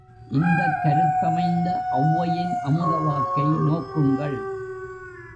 இந்தக் கருத்தமைந்த ஒளவையின் அமுதவாக்கை நோக்குங்கள்!